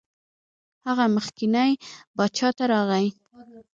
هغه مخکني باچا ته راغی.